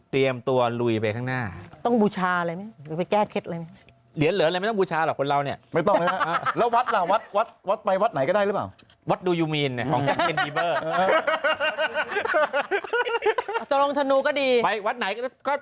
ที่โรงพยาบาลทรงเค้ามีอย่างนี้มั้ย